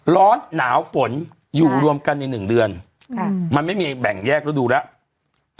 ร้อนหนาวฝนอยู่รวมกันในหนึ่งเดือนมันไม่มีแบ่งแยกฤดูแล้ว